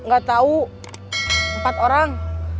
gak tau empat orang